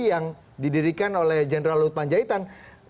yang didirikan oleh jenderal lutman jaitan